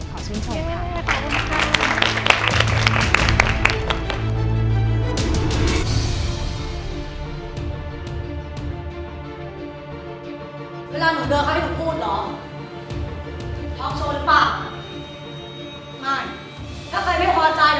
ขอชื่นโชว์ค่ะ